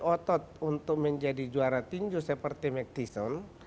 melatih otot untuk menjadi juara tinju seperti mac thiessen